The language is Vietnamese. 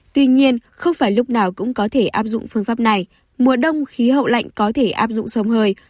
tuy nhiên không phải lúc nào cũng có thể áp dụng phương pháp này mùa đông khí hậu lạnh có thể áp dụng sông hơi